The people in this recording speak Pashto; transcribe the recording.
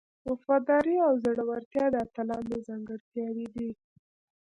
وفاداري او زړورتیا د اتلانو ځانګړتیاوې دي.